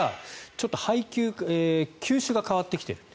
ちょっと球種が変わってきている。